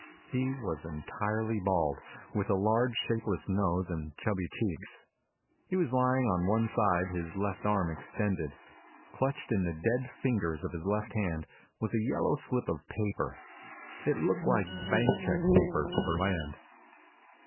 He was entirely bald, with a large, shapeless nose and chubby cheeks. He was lying on one side, his left arm extended. Clutched in the dead fingers of his left hand was a yellow slip of paper. It looked like bank check paper to Burland.